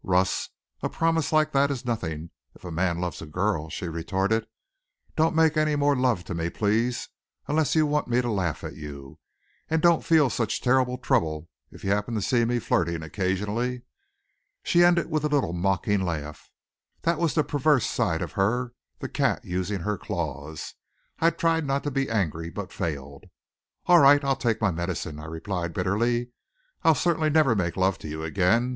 "Russ, a promise like that is nothing if a man loves a girl," she retorted. "Don't make any more love to me, please, unless you want me to laugh at you. And don't feel such terrible trouble if you happen to see me flirting occasionally." She ended with a little mocking laugh. That was the perverse side of her, the cat using her claws. I tried not to be angry, but failed. "All right. I'll take my medicine," I replied bitterly. "I'll certainly never make love to you again.